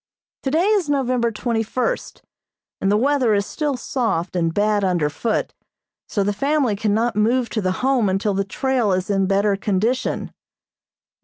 Today is November twenty first, and the weather is still soft and bad under foot, so the family cannot move to the Home until the trail is in better condition.